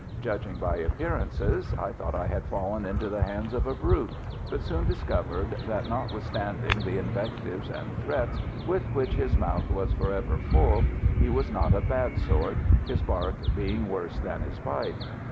Judging by appearances, I thought I had fallen into the hands of a brute, but soon discovered that notwithstanding the invectives and threats with which his mouth was for ever full, he was not a "bad sort," his bark being worse than his bite.